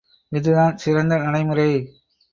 இதுதான் சிறந்த நடைமுறை.